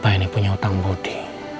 papa ini punya utang bodi